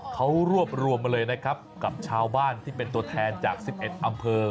เขารวบรวมมาเลยนะครับกับชาวบ้านที่เป็นตัวแทนจาก๑๑อำเภอ